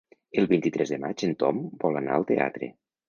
El vint-i-tres de maig en Tom vol anar al teatre.